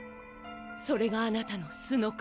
それがあなたの素の顔。